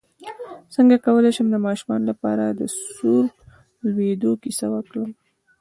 څنګه کولی شم د ماشومانو لپاره د سور لویدو کیسه وکړم